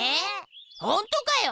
ほんとかよ！